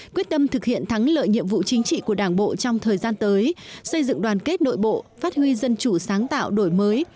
quyết tâm thực hiện thắng lợi nhiệm vụ chính trị của đảng bộ trong thời gian tới xây dựng đoàn kết nội bộ phát huy dân chủ sáng tạo đổi mới